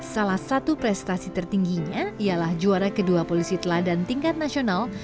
salah satu prestasi tertingginya ialah juara kedua polisi teladan tingkat nasional